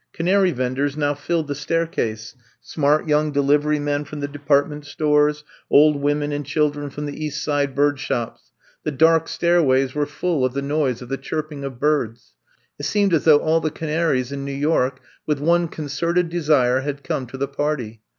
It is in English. Canary venders now filled the staircase — smart young delivery men from the de partment stores, old women and children from the East Side bird shops. The dark stairways were full of the noise of the I'VE COME TO STAY 133 chirping of birds. It seemed as though all the canaries in New York, with one con certed desire, had come to the party.